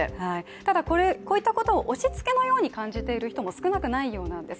ただ、こういったことを押しつけのように感じている方も少なくないようなんです。